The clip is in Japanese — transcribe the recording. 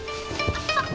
あっ。